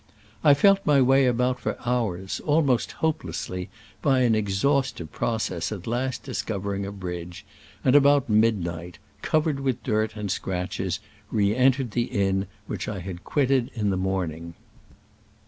I felt my way about for hours, almost hopelessly, by an ex haustive process at last discovering a bridge, and about midnight, covered with dirt and scratches, re entered the inn which I had quitted in the morning.